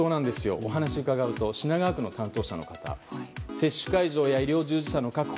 お話を伺うと品川区の担当者の方会場や接種者の確保